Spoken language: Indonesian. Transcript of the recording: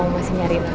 masih nyari lah